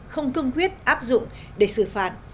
không cung quyết áp dụng để xử phạt